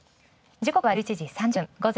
時刻は１１時３０分。